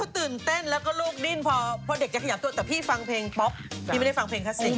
ตื่นเต้นแล้วก็ลูกดิ้นพอเด็กจะขยับตัวแต่พี่ฟังเพลงป๊อกพี่ไม่ได้ฟังเพลงคลาสสิก